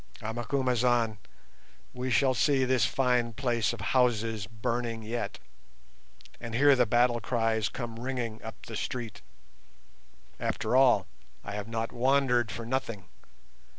Ah, Macumazahn, we shall see this fine place of houses burning yet, and hear the battle cries come ringing up the street. After all, I have not wandered for nothing.